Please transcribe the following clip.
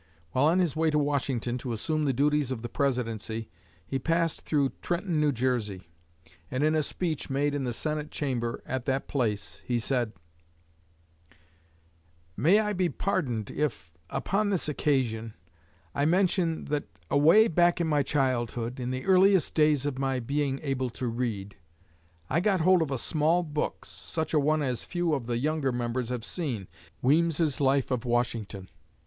While on his way to Washington to assume the duties of the Presidency he passed through Trenton, New Jersey, and in a speech made in the Senate Chamber at that place he said: "May I be pardoned if, upon this occasion, I mention that away back in my childhood, in the earliest days of my being able to read, I got hold of a small book such a one as few of the younger members have seen, Weems's Life of Washington.